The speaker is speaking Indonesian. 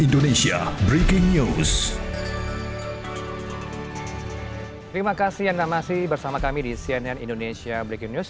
terima kasih anda masih bersama kami di cnn indonesia breaking news